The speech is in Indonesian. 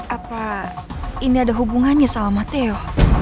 apa ini ada hubungannya sama mateo